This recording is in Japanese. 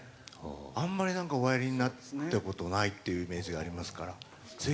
あんまりなんかおやりになったことないっていうイメージがありま